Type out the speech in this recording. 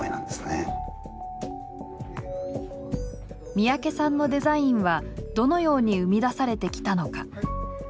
三宅さんのデザインはどのように生み出されてきたのか。